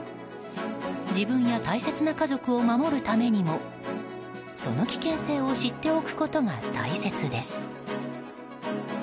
自分や大切な家族を守るためにもその危険性を知っておくことが大切です。